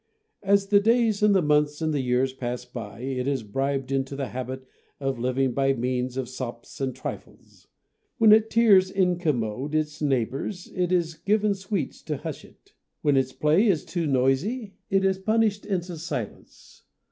As the days and the months and the years pass by it is bribed into the habit of living by means of sops and trifles. When its tears incom mode its neighbours it is given sweets to hush it ; when its play, is too noisy it is punished into silence.